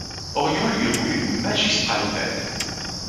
Orion lui roule une magistrale pelle.